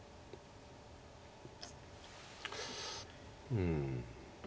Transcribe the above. うん。